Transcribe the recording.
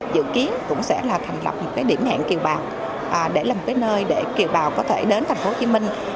dự kiến cũng sẽ là thành lập một cái điểm hẹn kiều bào để là một cái nơi để kiều bào có thể đến thành phố hồ chí minh